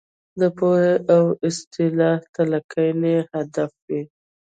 د پوهې او اصلاح تلقین یې هدف وي.